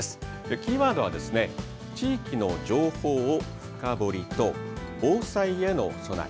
キーワードは地域の情報を深掘りと防災への備え。